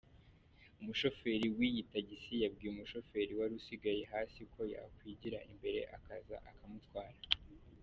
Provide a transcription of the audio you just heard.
Umushoferi w’iyi tagisi yabwiye umushoferi wari usigaye hasi ko yakwigira imbere akaza akamutwara.